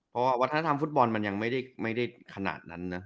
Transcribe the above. เพราะว่าวัฒนธรรมฟุตบอลมันยังไม่ได้ขนาดนั้นนะ